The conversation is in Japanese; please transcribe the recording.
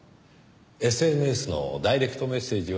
ＳＮＳのダイレクトメッセージは？